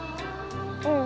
うん。